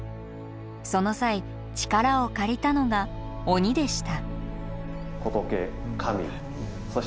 その際力を借りたのが鬼でした。